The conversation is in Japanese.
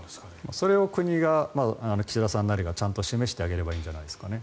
それを国が岸田さんなりが示してあげればいいんじゃないですかね。